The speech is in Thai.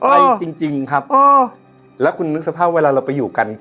ไปจริงครับแล้วคุณนึกสภาพเวลาเราไปอยู่กัน